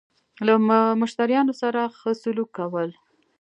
له مشتريانو سره خه سلوک کول